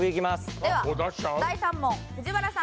では第３問藤原さん